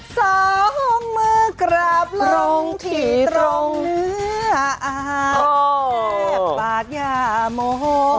สองมือกราบลงที่ตรงเนื้ออาบแทบปากอย่าโมโห